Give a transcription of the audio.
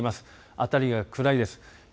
辺りが暗いです